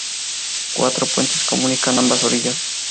Cuatro puentes comunican ambas orillas.